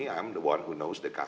saya yang tahu pelanggan